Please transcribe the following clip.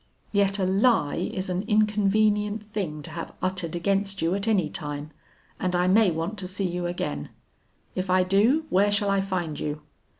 Yet a lie is an inconvenient thing to have uttered against you at any time, and I may want to see you again; if I do, where shall I find you?'